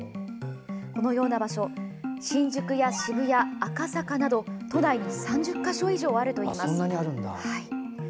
このような場所新宿や渋谷、赤坂など都内に３０か所以上あるといいます。